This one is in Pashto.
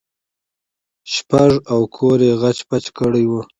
شپږ اوه کوره يې خچ پچ کړي وو.